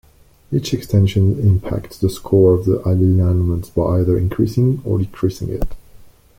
Each extension impacts the score of the alignment by either increasing or decreasing it.